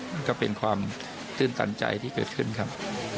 มันก็เป็นความตื่นตันใจที่เกิดขึ้นครับ